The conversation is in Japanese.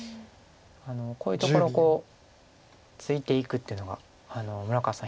こういうところついていくというのが村川さん